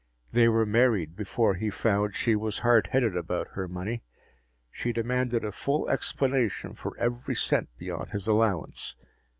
They were married before he found she was hard headed about her money. She demanded a full explanation for every cent beyond his allowance.